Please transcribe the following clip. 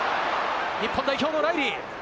日本代表・ライリー！